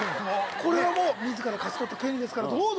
これはもう自ら勝ち取った権利ですからどうぞ。